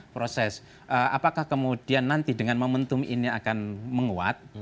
proses apakah kemudian nanti dengan momentum ini akan menguat